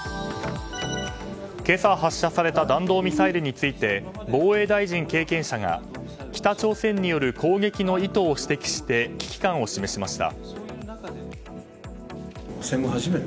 今朝発射された弾道ミサイルについて防衛大臣経験者が北朝鮮による攻撃の意図を指摘して危機感を示しました。